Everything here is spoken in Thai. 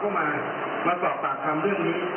ก็ยังไม่รู้ว่ามันจะยังไม่รู้ว่า